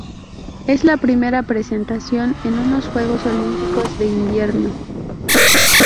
Es la primera presentación en unos Juegos Olímpicos de Invierno.